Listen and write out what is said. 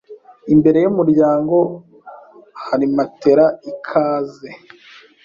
Imbere yumuryango hari matel ikaze.